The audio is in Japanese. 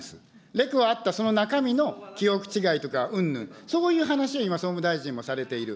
レクはあった、その中身の記憶違いとかうんぬん、そういう話を今、総務大臣もされている。